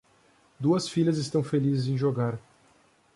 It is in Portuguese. Duas filhas estão felizes em jogar